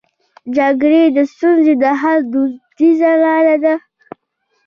جرګې د ستونزو د حل دودیزه لاره ده